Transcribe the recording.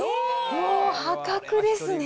もう破格ですね。